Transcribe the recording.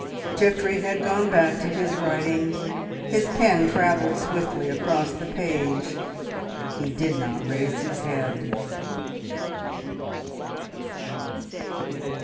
Geoffrey had gone back to his writing; his pen travelled swiftly across the page; he did not raise his head.